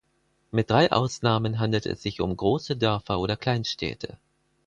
Mit drei Ausnahmen handelt es sich um große Dörfer oder Kleinstädte.